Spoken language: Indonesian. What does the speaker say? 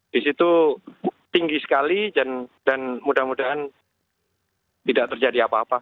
di situ tinggi sekali dan mudah mudahan tidak terjadi apa apa